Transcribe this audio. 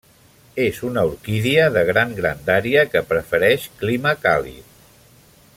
És una orquídia de gran grandària, que prefereix clima càlid.